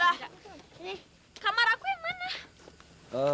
eh kamar aku yang mana